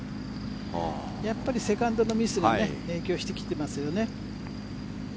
やっぱりセカンドのミスが影響してきていますよね。